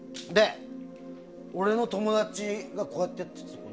俺の友達がこうやってて。